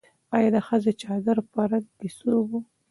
ایا د ښځې چادر په رنګ کې سور و؟